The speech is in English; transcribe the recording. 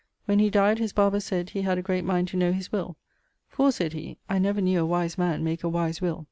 When he dyed his barber sayd he had a great mind to know his will, 'For,' sayd he, 'I never knew a wise man make a wise will.'